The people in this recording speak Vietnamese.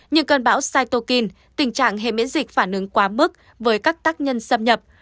nhưng cơn bão cytokine tình trạng hệ miễn dịch phản ứng quá mức với các tác nhân xâm nhập